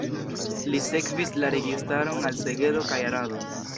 Li sekvis la registaron al Segedo kaj Arado.